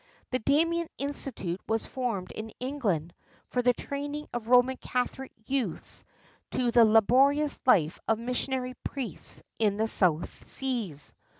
The Damien Institute was formed in Eng land for the training of Roman Cathohc youths to the laborious hfe of missionary priests in the South Seas.